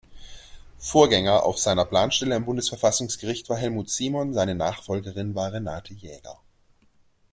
Vorgänger auf seiner Planstelle am Bundesverfassungsgericht war Helmut Simon; seine Nachfolgerin war Renate Jaeger.